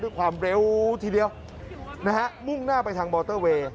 ด้วยความเร็วทีเดียวนะฮะมุ่งหน้าไปทางมอเตอร์เวย์